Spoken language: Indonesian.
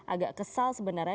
agak kesal sebenarnya